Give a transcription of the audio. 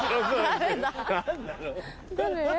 誰？